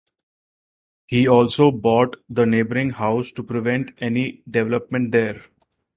He also bought the neighbouring house to prevent any development there.